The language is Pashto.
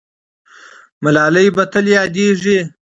ملالۍ به تل یادېږي.